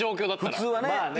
普通はね。